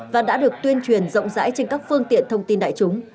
và đã được tuyên truyền rộng rãi trên các phương tiện thông tin đại chúng